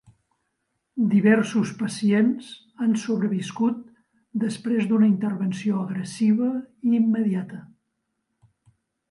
Diversos pacients han sobreviscut després d'una intervenció agressiva i immediata.